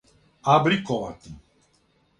абриктовати